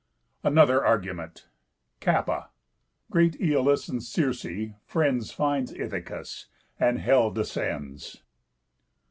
ANOTHER ARGUMENT Κάππα. Great Æolus, And Circe, friends Finds Ithacus; And hell descends.